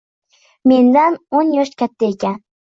Mendan o`n yosh katta ekan